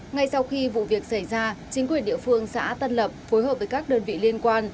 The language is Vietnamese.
ngay sau khi vụ việc xảy ra chính quyền địa phương xã tân lập phối hợp với các đơn vị liên quan